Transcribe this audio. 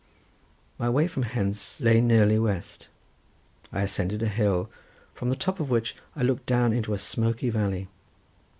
My way from hence lay nearly west. I ascended a hill, from the top of which I looked down into a smoky valley.